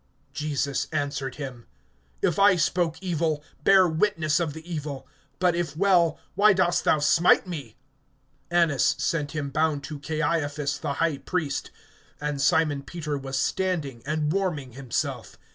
(23)Jesus answered him: If I spoke evil, bear witness of the evil; but if well, why dost thou smite me? (24)Annas sent him bound to Caiaphas the high priest. (25)And Simon Peter was standing and warming himself.